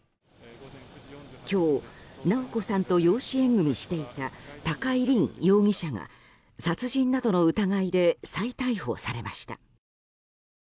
今日、直子さんと養子縁組していた高井凜容疑者が殺人などの疑いで再逮捕されました。